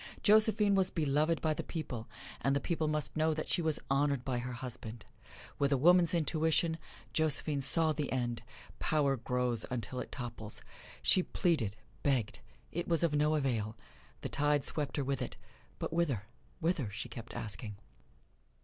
Josephine was beloved by the people, and the people must know that she was honored by her husband. With a woman's intuition, Josephine saw the end power grows until it topples. She pleaded, begged it was of no avail the tide swept her with it, but whither, whither? she kept asking.